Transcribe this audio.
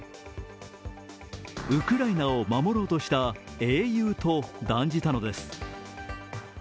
ウクライナを守ろうとした英雄と断じたのです。